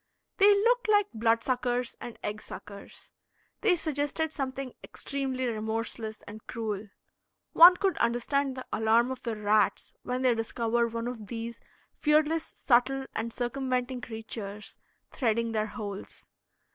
They looked like blood suckers and egg suckers. They suggested something extremely remorseless and cruel. One could understand the alarm of the rats when they discover one of these fearless, subtle, and circumventing creatures threading their holes.